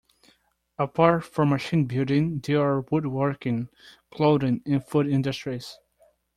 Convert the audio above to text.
Apart from machine-building, there are wood-working, clothing, and food industries.